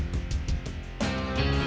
saya sudah sampai mokok kang